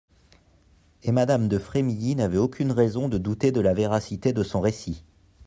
Et madame de Frémilly n'avait aucune raison de douter de la véracité de son récit.